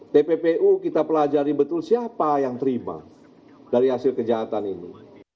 tppu kita pelajari betul siapa yang terima dari hasil kejahatan ini